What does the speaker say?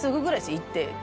行って。